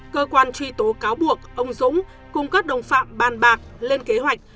cơ quan truy tố cáo buộc ông dũng cùng các đồng phạm bàn bạc lên kế hoạch